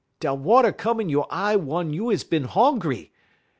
da water come in you' y eye wun you is bin honkry.